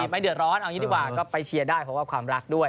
ไม่เดือดร้อนเอาอย่างนี้ดีกว่าก็ไปเชียร์ได้เพราะว่าความรักด้วย